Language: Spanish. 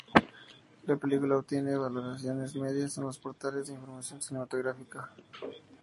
La película obtiene valoraciones medias en los portales de información cinematográfica.